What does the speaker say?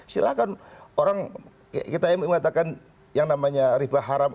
silahkan orang kita yang mengatakan yang namanya riba haram